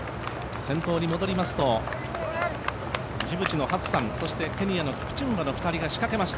先頭に戻りますとジブチのハッサン、ケニアのキプチュンバが仕掛けました。